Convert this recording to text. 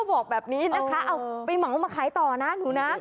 หวังว่ามาขายต่อนะหนูนะ